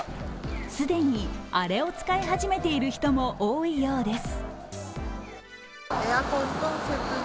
既にあれを使い始めている人も多いようです。